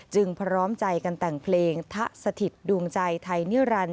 พร้อมใจกันแต่งเพลงทะสถิตดวงใจไทยนิรันดิ